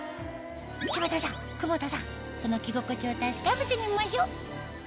柴田さん久保田さんその着心地を確かめてみましょ